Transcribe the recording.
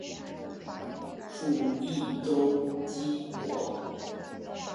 属邕州羁縻。